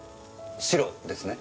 白ですね？